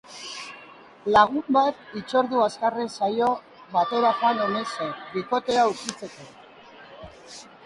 Lagun bat hitzordu azkarren saio batera joan omen zen bikotea aurkitzeko.